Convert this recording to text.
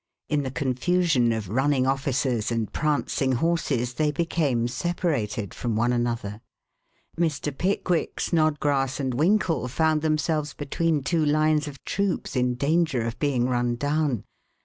In the confusion of running officers and prancing horses they became separated from one another. Mr. Pickwick, Snodgrass and Winkle found themselves between two lines of troops, in danger of being run down.